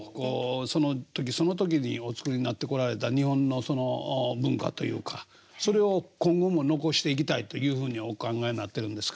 その時その時にお作りになってこられた日本の文化というかそれを今後も残していきたいというふうにお考えになってるんですか？